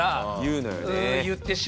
うん言ってしまう。